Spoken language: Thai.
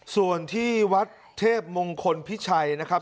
ส่วนที่วัดเทพมงคลพิชัยนะครับ